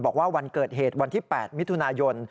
บอกว่าวันเกิดเหตุวันที่๘มิถุนายน